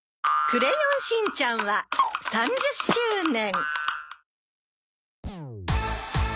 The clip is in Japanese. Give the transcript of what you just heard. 『クレヨンしんちゃん』は３０周年。